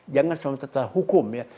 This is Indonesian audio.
jangan sama sama hukum ya